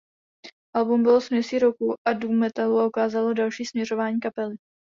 Album bylo směsí rocku a doom metalu a ukázalo další směřování kapely.